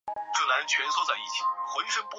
还有另一种传播方式是母亲在生产时给婴孩。